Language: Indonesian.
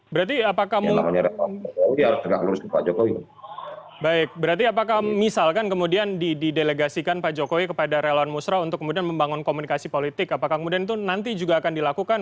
berarti apakah misalkan kemudian didelegasikan pak jokowi kepada relon musra untuk kemudian membangun komunikasi politik apakah kemudian itu nanti juga akan dilakukan